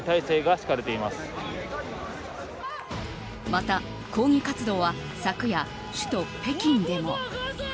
また抗議活動は昨夜、首都・北京でも。